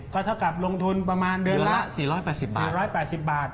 ก็เท่ากับลงทุนประมาณเดือนละ๔๘๐๔๘๐บาท